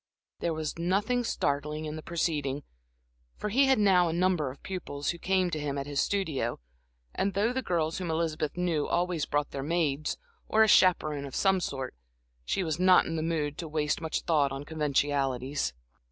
There was nothing startling in the proceeding, for he had now a number of pupils, who came to him at his studio; and though the girls whom Elizabeth knew always brought their maids, or a chaperone of some sort, she was not in the mood to waste much thought on conventionalities.